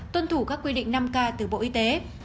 tuân thủ các quy định năm k từ bộ y tế